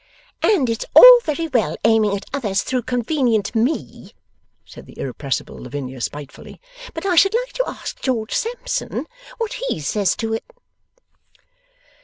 'And it's all very well aiming at others through convenient me,' said the irrepressible Lavinia, spitefully; 'but I should like to ask George Sampson what he says to it.